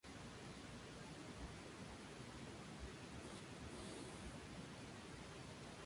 Con el nombre artístico de Michael Ames, participó en "Quiet, Please!